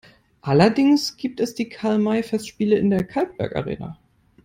Allerdings gibt es die Karl-May-Festspiele in der Kalkbergarena.